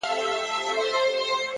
ښه چلند خاموشه ژبه ده.